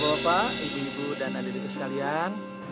bapak ibu ibu dan adik ibu sekalian